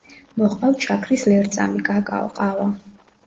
მოჰყავთ შაქრის ლერწამი, კაკაო, ყავა.